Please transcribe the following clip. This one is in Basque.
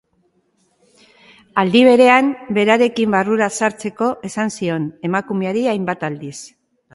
Aldi berean, berarekin barrura sartzeko esan zion emakumeari hainbat aldiz.